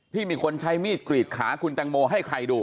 ที่มีคนใช้มีดกลีดขากับคุณแจงโมให้ใครดู